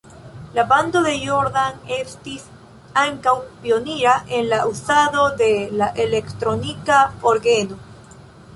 La bando de Jordan estis ankaŭ pionira en la uzado de la elektronika orgeno.